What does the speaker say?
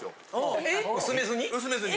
薄めずに？